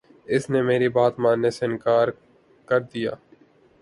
اس نے میری بات ماننے سے انکار کر دیا